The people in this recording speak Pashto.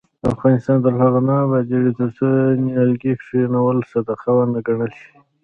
افغانستان تر هغو نه ابادیږي، ترڅو نیالګي کښینول صدقه ونه ګڼل شي.